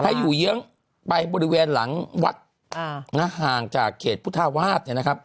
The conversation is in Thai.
อยู่เยื้องไปบริเวณหลังวัดห่างจากเขตพุทธาวาสเนี่ยนะครับ